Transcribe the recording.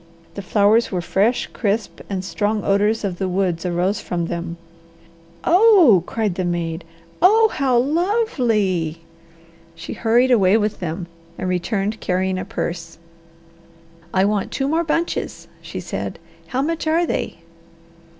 The flowers were fresh, crisp, and strong odours of the woods arose from them. "Oh!" cried the maid. "Oh, how lovely!" She hurried away with them and returned carrying a purse. "I want two more bunches," she said. "How much are they?"